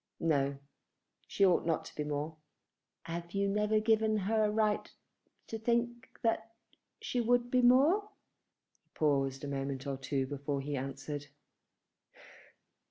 No; she ought not to be more." "Have you never given her a right to think that she would be more?" He paused a moment or two before he answered.